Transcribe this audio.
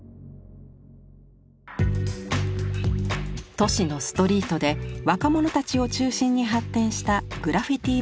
都市のストリートで若者たちを中心に発展したグラフィティ文化。